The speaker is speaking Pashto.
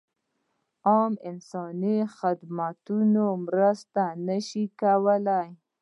عام انساني خدمتونه مرسته نه شي کولای.